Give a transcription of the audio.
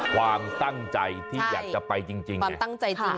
ความตั้งใจที่อยากจะไปจริงเนี่ยค่ะใช่ค่ะความตั้งใจจริง